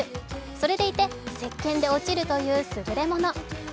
それでいて、せっけんで落ちるというすぐれもの。